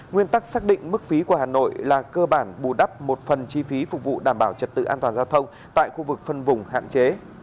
nguyên tắc xác định mức phí của hà nội là cơ bản bù đắp một phần chi phí phục vụ đảm bảo trật tự an toàn giao thông tại khu vực phân vùng hạn chế